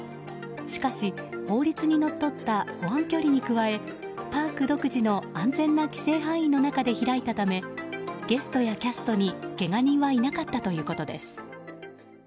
しかし、法律にのっとった保安距離に加え、パーク独自の安全な規制範囲の中で開いたためゲストやキャストにけが人はいなかったということです。